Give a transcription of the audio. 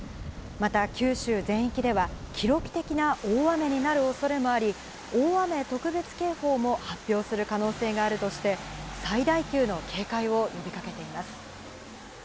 また、九州全域では、記録的な大雨になるおそれもあり、大雨特別警報も発表する可能性があるとして、最大級の警戒を呼びかけています。